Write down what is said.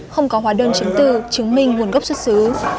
không có hóa đơn chứng từ chứng minh nguồn gốc xuất xứ